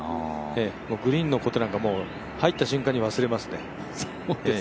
グリーンのことなんか入った瞬間に忘れますね。